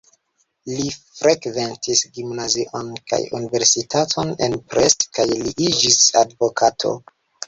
Li frekventis gimnazion kaj universitaton en Pest kaj li iĝis advokato.